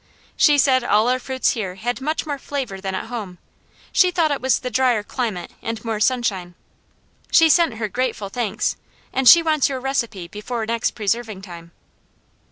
She said all our fruits here had much more flavour than at home; she thought it was the dryer climate and more sunshine. She sent her grateful thanks, and she wants your recipe before next preserving time."